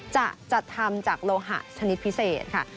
จะจัดทำจากโลหะชนิดพิเศษค่ะ